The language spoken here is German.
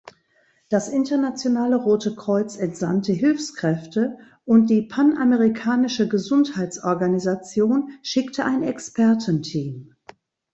Das Internationale Rote Kreuz entsandte Hilfskräfte und die Panamerikanische Gesundheitsorganisation schickte ein Expertenteam.